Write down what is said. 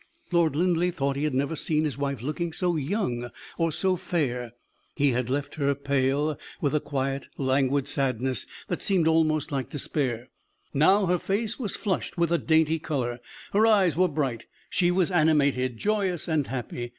Lord Linleigh thought he had never seen his wife looking so young or so fair. He had left her pale, with a quiet, languid sadness that seemed almost like despair: now her face was flushed with a dainty color, her eyes were bright; she was animated, joyous, and happy.